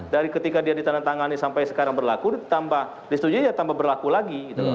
dari ketika dia ditandatangani sampai sekarang berlaku ditambah disetujui ya tambah berlaku lagi